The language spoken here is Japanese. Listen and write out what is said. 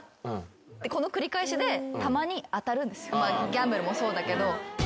ギャンブルもそうだけど。